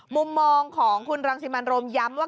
มุมมองของคุณรังสิมันโรมย้ำว่า